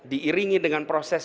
diiringi dengan proses